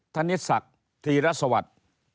ทันทีศักดิ์ที่รัฐสวรรค์